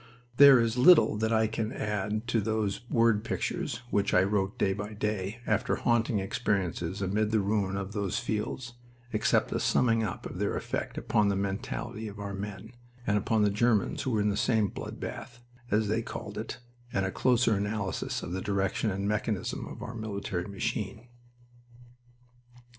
There is little that I can add to those word pictures which I wrote day by day, after haunting experiences amid the ruin of those fields, except a summing up of their effect upon the mentality of our men, and upon the Germans who were in the same "blood bath," as they called it, and a closer analysis of the direction and mechanism of our military machine.